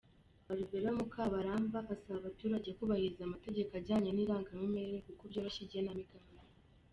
Alvera Mukabaramba asaba abaturage kubahiriza amategeko ajyanye n’irangamimerere kuko byoroshya igenamigambi.